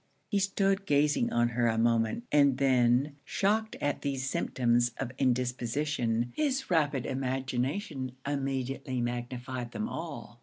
He stood gazing on her a moment, and then, shocked at these symptoms of indisposition, his rapid imagination immediately magnified them all.